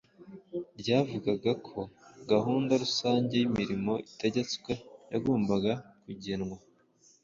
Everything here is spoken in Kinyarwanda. ryavugaga ko gahunda rusange y'imirimo itegetswe yagombaga kugenwa